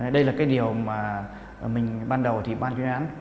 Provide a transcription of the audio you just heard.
đây là cái điều mà mình ban đầu thì ban chuyên án